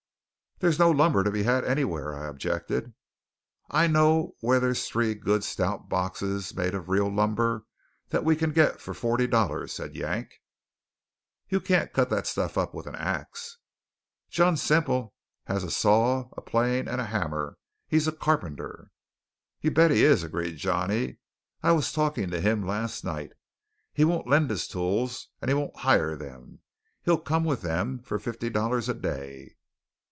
"There's no lumber to be had anywhere," I objected. "I know where there's three good stout boxes made of real lumber that we can get for forty dollars," said Yank. "You can't cut that stuff up with an axe." "John Semple has a saw, a plane, and a hammer; he's a carpenter." "You bet he is!" agreed Johnny. "I was talking to him last night. He won't lend his tools; and he won't hire them. He'll come with them for fifty dollars a day."